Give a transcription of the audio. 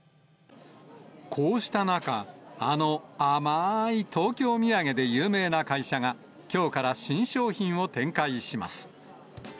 こうした中、あの甘ーい東京土産で有名な会社が、きょうから新商品を展開します。